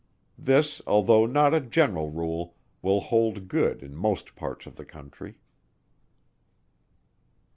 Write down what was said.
This although not a general rule, will hold good in most parts of the country.